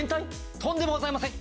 とんでもございません